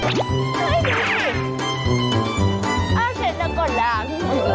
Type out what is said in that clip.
เสร็จแล้วก่อนแล้ว